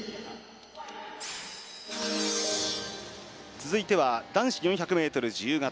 続いては男子４００ｍ自由形。